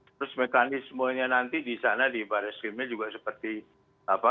terus mekanisme nya nanti di sana di baris timnya juga seperti apa